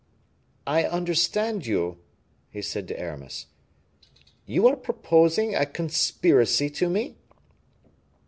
"I understand you," he said to Aramis; "you are proposing a conspiracy to me?"